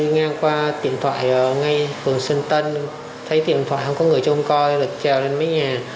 ngang qua điện thoại ở ngay phường xuân tân thấy điện thoại không có người trông coi nên trèo lên mấy nhà